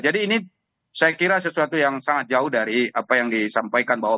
jadi ini saya kira sesuatu yang sangat jauh dari apa yang disampaikan bahwa